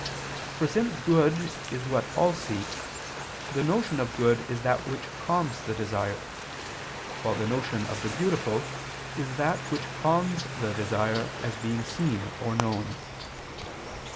For since good is what all seek, the notion of good is that which calms the desire; while the notion of the beautiful is that which calms the desire, by being seen or known.